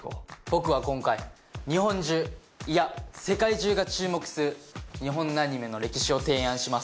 僕は今回日本中いや世界中が注目する日本のアニメの歴史を提案します。